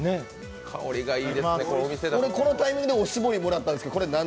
このタイミングでおしぼりもらったんすけど、これ何？